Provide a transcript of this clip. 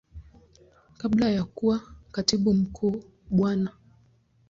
Kabla ya kuwa Katibu Mkuu Bwana.